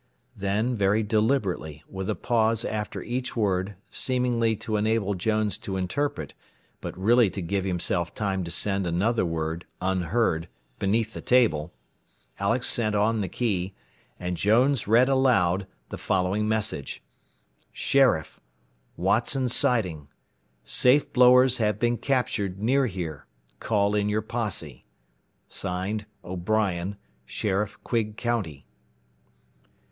Then very deliberately, with a pause after each word, seemingly to enable Jones to interpret, but really to give himself time to send another word, unheard, beneath the table, Alex sent on the key, and Jones read aloud, the following message: "Sheriff, "Watson Siding: "Safe blowers have been captured near here. Call in your posse. "(Signed) O'Brien, "Sheriff Quigg County."